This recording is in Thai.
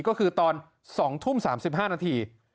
ก็คือตอน๒ทุ่ม๓๕นาที